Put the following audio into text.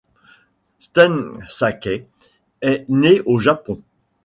Stan Sakai est né au Japon.